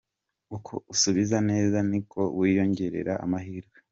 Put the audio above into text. Uko usubiza neza niko wiyongerera amahirwe.